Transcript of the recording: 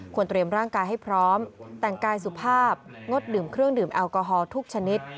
เตรียมร่างกายให้พร้อมแต่งกายสุภาพงดดื่มเครื่องดื่มแอลกอฮอลทุกชนิด